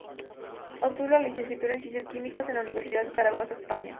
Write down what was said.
Obtuvo la Licenciatura en Ciencias Químicas, en la Universidad de Zaragoza, España.